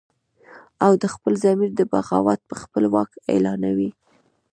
او د خپل ضمیر د بغاوته به خپل واک اعلانوي